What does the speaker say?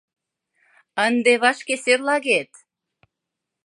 — Ынде вашке серлагет!..